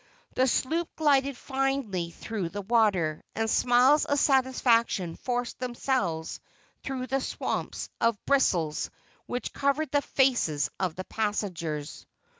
The sloop glided finely through the water, and smiles of satisfaction forced themselves through the swamps of bristles which covered the faces of the passengers.